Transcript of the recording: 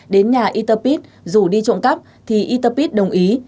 đến nhà yter pit dù đi trộm cắp thì yter pit đồng ý